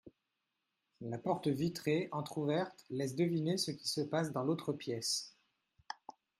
La porte vitrée entrouverte laisse deviner ce qui se passe dans l'autre pièce